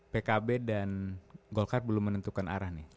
pkb dan golkar belum menentukan arah nih